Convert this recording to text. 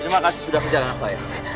terima kasih sudah kerja sama saya